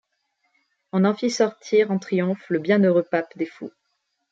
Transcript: On en fit sortir en triomphe le bienheureux pape des fous.